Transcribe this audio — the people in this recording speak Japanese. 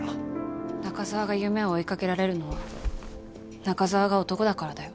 中澤が夢を追いかけられるのは中澤が男だからだよ。